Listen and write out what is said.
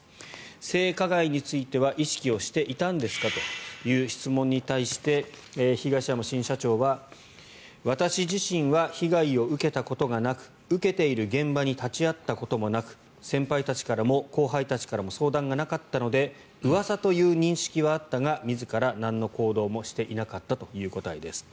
性加害については意識をしていたんですかという質問に対して東山新社長は私自身は被害を受けたことがなく受けている現場に立ち会ったこともなく先輩たちからも後輩たちからも相談がなかったのでうわさという認識はあったが自らなんの行動もしていなかったという答えです。